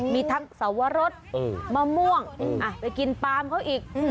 มีทั้งสวรสมะม่วงไปกินปาล์มเขาอีก